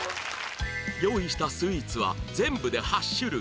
用意したスイーツは全部で８種類